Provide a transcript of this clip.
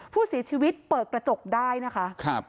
ผู้เสียชีวิตเปิดกระจกได้นะคะ